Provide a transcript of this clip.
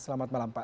selamat malam pak